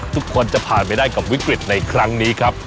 ทุกคนจะผ่านไปได้กับวิกฤตในครั้งนี้ครับ